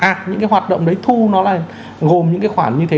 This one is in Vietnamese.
ạ những cái hoạt động đấy thu nó là gồm những cái khoản như thế